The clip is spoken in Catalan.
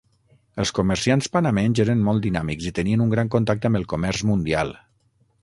Els comerciants panamenys eren molt dinàmics i tenien un gran contacte amb el comerç mundial.